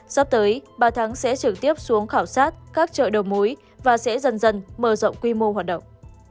sắp tới bà thắng sẽ trực tiếp xuống khảo sát các chợ đầu mối và sẽ dần dần mở rộng quy mô hoạt động